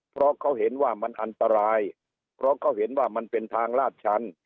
เพราะเขาเห็นว่ามันอันตรายเพราะเขาเห็นว่ามันเป็นทางลาดชัน